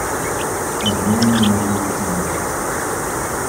A very matey scheme.